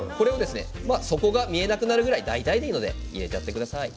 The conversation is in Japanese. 底が見えなくなるくらい大体でいいので入れちゃってください。